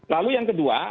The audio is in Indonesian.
lalu yang kedua